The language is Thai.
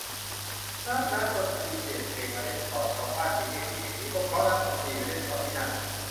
เมื่อนักดนตรีเปลี่ยนเพลงมาเล่นซอ ชาวบ้านจึงเรียกที่แห่งนี้ว่า เพราะนักดนตรีไปเล่นซอที่นั่น